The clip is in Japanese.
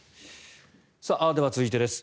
では、続いてです。